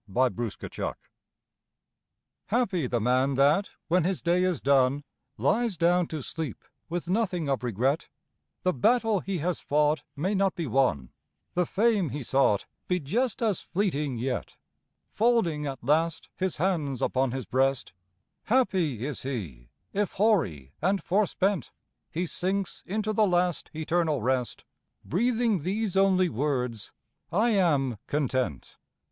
CONTENTMENT Happy the man that, when his day is done, Lies down to sleep with nothing of regret The battle he has fought may not be won The fame he sought be just as fleeting yet; Folding at last his hands upon his breast, Happy is he, if hoary and forespent, He sinks into the last, eternal rest, Breathing these only works: "I am content."